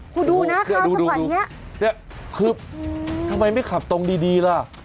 กูดูนะครับข้างขวานนี้นี่คือทำไมไม่ขับตรงดีล่ะ